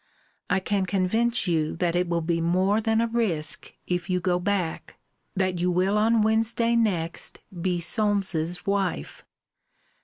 I can convince you that it will be more than a risque if you go back, that you will on Wednesday next be Solmes's wife.